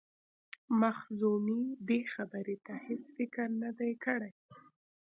مخزومي دې خبرې ته هیڅ فکر نه دی کړی.